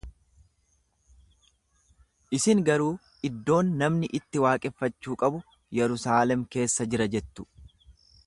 Isin garuu iddoon namni itti waaqeffachuu qabu Yerusaalem keessa jira jettu.